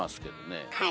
はい。